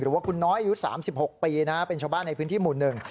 หรือว่าคุณน้อยอายุ๓๖ปีเป็นชาวบ้านในพื้นที่หมุนหนึ่ง